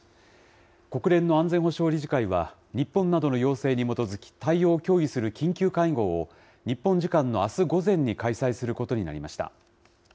国連の安全保障理事会は、日本などの要請に基づき対応を協議する緊急会合を、日本時間のあす午前に開催することになりました。